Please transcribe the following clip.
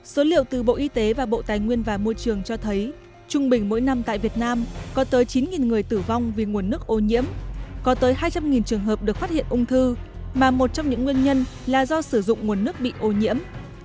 số liệu từ bộ y tế và bộ tài nguyên và môi trường cho thấy trung bình mỗi năm tại việt nam có tới chín người tử vong vì nguồn nước ô nhiễm có tới hai trăm linh trường hợp được phát hiện ung thư mà một trong những nguyên nhân là do sử dụng nguồn nước bị ô nhiễm